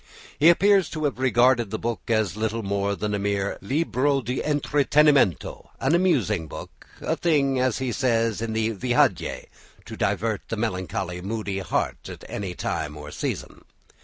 He appears to have regarded the book as little more than a mere libro de entretenimiento, an amusing book, a thing, as he says in the "Viaje," "to divert the melancholy moody heart at any time or season."